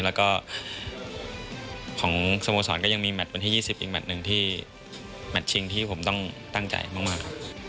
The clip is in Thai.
แล้วก็ของสโมสรก็ยังมีแมทวันที่๒๐อีกแมทหนึ่งที่แมทชิงที่ผมต้องตั้งใจมากครับ